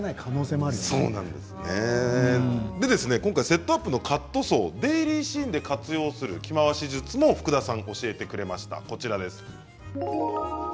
セットアップのカットソーデイリーシーンで活用する着回し術も福田さん、教えてくれました。